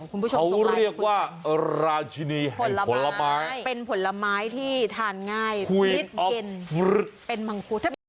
เขาเรียกว่าราชินีให้ผลไม้เป็นผลไม้ที่ทานง่ายมิดเก็นเป็นมังคุด